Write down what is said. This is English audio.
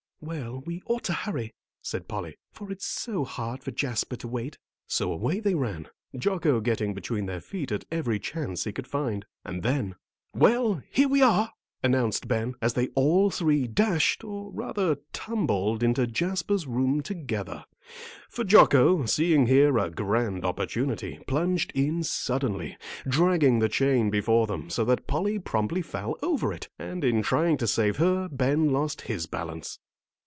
"Well, we ought to hurry," said Polly, "for it's so hard for Jasper to wait." So away they ran, Jocko getting between their feet at every chance he could find. And then, "Well, here we are!" announced Ben, as they all three dashed, or rather tumbled, into Jasper's room together. For Jocko, seeing here a grand opportunity, plunged in suddenly, dragging the chain before them so that Polly promptly fell over it. And in trying to save her, Ben lost his balance.